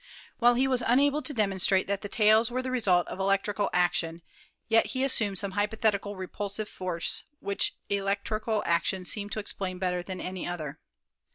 While he was unable to demonstrate that the tails were the result of electrical ac tion, yet he assumed some hypothetical repulsive force which electrical action seemed to explain better than any other.